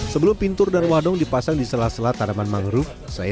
sebelum pintu dan wadong dipasang di salah salah tanaman mangrove saya